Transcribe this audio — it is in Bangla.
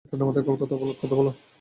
ঠাণ্ডা মাথায় কথা বল।